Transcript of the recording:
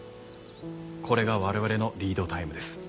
これが我々のリードタイムです。